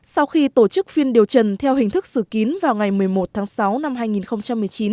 sau khi tổ chức phiên điều trần theo hình thức xử kín vào ngày một mươi một tháng sáu năm hai nghìn một mươi chín